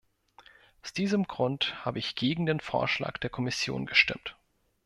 Aus diesem Grund habe ich gegen den Vorschlag der Kommission gestimmt.